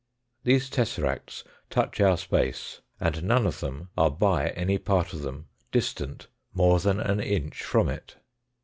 These tesseracts touch our space, and none of them are by any part of them distant more than an inch from it.